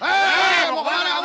hei mau kemana